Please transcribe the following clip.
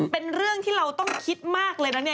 เป็นเรื่องที่เราคิดมากเลยนะ